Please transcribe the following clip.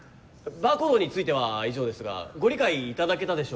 バーコードについては以上ですがご理解いただけたでしょうか。